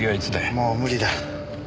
もう無理だ。